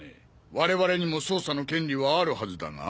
我々にも捜査の権利はあるはずだが？